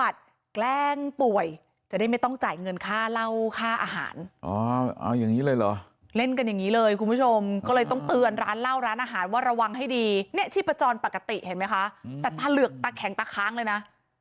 โดยจะได้ไม่ต้องจ่ายเงินค่าเหล้าค่าอาหารเอาอย่างนี้เลยเหรอเล่นกันอย่างนี้เลยคุณผู้ชมก็เลยต้องเตือนร้านเล่าร้านอาหารว่าระวังให้ดีเนี่ยชีพจรปกติเห็นไหมคะแต่ถ้าเหลือกตะแข็งตะค้างเลยนะ